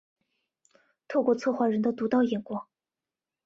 透过策展人的独到眼光